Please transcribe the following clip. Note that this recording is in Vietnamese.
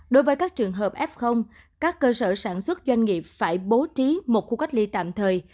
đối với các trường hợp f các cơ sở sản xuất doanh nghiệp phải bố trí một khu cách ly tạm thời